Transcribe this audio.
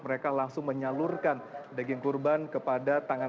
mereka langsung menyalurkan daging kurban kepada tangan